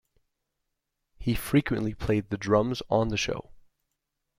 He frequently played the drums on the show.